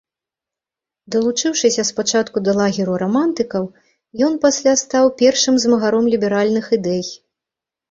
Далучыўшыся спачатку да лагеру рамантыкаў, ён пасля стаў першым змагаром ліберальных ідэй.